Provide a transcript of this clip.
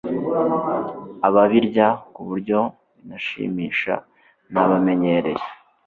ababirya ku buryo binashimisha nabamenyereye